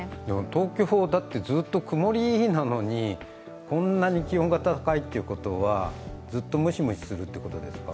東京だってずっと曇りなのにこんなに気温が高いということはずっとムシムシするということですか？